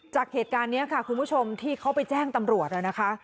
จากเหตุการณ์นี้ค่ะคุณผู้ชมที่เขาไปแจ้งตำรวจนะคะ